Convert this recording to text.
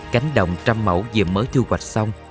cánh đồng trăm mẫu về mới thiêu hoạch xong